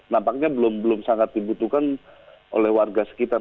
nampaknya belum sangat dibutuhkan oleh warga sekitar